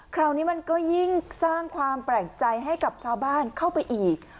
คราวนี้มันก็ยิ่งสร้างความแปลกใจให้กับชาวบ้านเข้าไปอีก